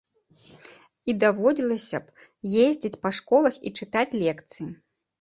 І даводзілася б ездзіць па школах і чытаць лекцыі.